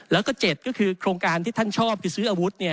แล้วก็๗ก็คือโครงการที่ท่านชอบคือซื้ออาวุธ